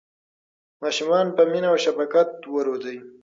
ماشومان په مینه او شفقت وروځئ.